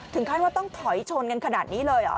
ถึงขั้นว่าต้องถอยชนกันขนาดนี้เลยเหรอ